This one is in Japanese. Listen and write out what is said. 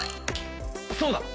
そうだ！